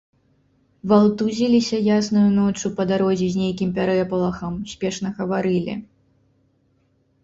Валтузіліся яснаю ноччу па дарозе з нейкім пярэпалахам, спешна гаварылі.